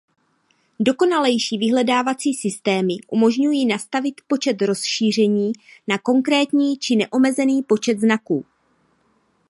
Dokonalejší vyhledávací systémy umožňují nastavit počet rozšíření na konkrétní či neomezený počet znaků.